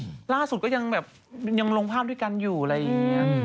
ล่าสุดก็ยังแบบยังลงภาพด้วยกันอยู่อะไรอย่างนี้